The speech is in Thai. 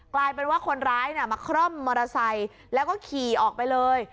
กลายเป็นว่าคนร้ายมาคร่อมมอเตอร์ไซค์แล้วก็ขี่ออกไปเลย